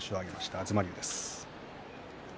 東龍です。